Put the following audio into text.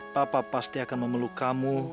papa pasti akan memeluk kamu